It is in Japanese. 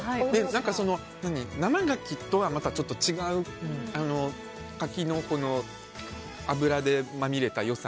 生ガキとはまたちょっと違うカキの油でまみれた良さ。